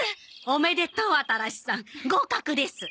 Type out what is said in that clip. おめでとう新さん合格です。